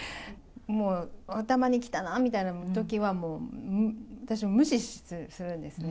もう、頭にきたなみたいなときは、もう私は無視するんですね。